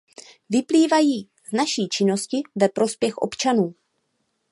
Vyplývají z naší činnosti ve prospěch občanů.